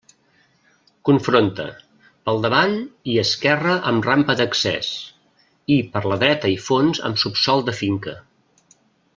Confronta: pel davant i esquerra amb rampa d'accés; i per la dreta i fons amb subsòl de finca.